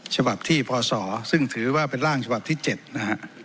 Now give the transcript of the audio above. ฉบับที่พศซึ่งถือว่าเป็นร่างฉบับที่๗นะฮะ